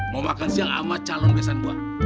mau makan siang sama calon besan gua